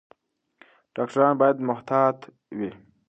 ډاکټران باید محتاط وي.